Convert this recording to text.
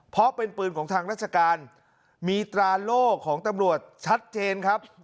เพราะเป็นปืนของทางราชการมีตราโล่ของตำรวจชัดเจนครับ